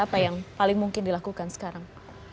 apa yang paling mungkin dilakukan sekarang